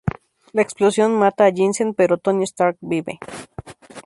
La explosión mata a Yinsen, pero Tony Stark vive.